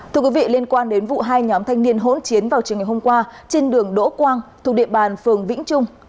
thưa quý vị liên quan đến vụ hai nhóm thanh niên hỗn chiến vào trường ngày hôm qua trên đường đỗ quang thuộc địa bàn phường vĩnh trung